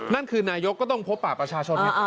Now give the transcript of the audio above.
นั่นคือนายกก็ต้องพบป่าประชาชนไง